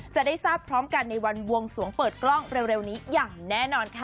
จะได้ทราบพร้อมกันในวันบวงสวงเปิดกล้องเร็วนี้อย่างแน่นอนค่ะ